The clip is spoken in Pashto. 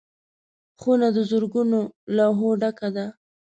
خونه د زرګونو لوحو ډکه ده.